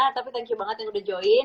tapi thank you banget yang udah join